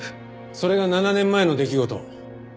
それが７年前の出来事。